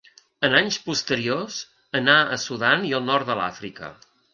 En anys posteriors anà al Sudan i al nord de l'Àfrica.